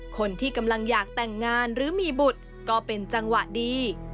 คนที่กำลังอยากแต่งงานหรือมีบุตรก็เป็นจังหวะดี